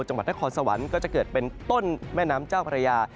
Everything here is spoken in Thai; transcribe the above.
จังหวัดนครสวรรค์ก็จะเกิดเป็นต้นแม่น้ำเจ้าพระยา